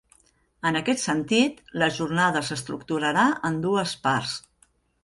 En aquest sentit, la jornada s'estructurarà en dues parts.